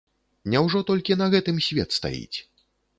Няўжо толькі на гэтым свет стаіць?